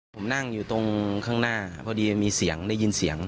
ผมนั่งอยู่ตรงข้างหน้าพอดีมีเสียงได้ยินเสียง